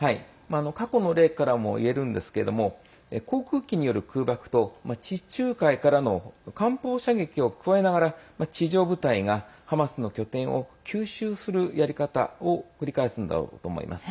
過去の例からもいえるんですけれども航空機による空爆と地中海からの艦砲射撃を加えながら地上部隊がハマスの拠点を急襲するやり方を繰り返すんだろうと思います。